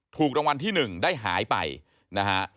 ถูกรางวัลที่๑ได้หายไปนะฮะ